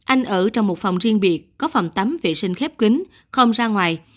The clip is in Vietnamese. anh ở trong một phòng riêng biệt có phòng tắm vệ sinh khép kính không ra ngoài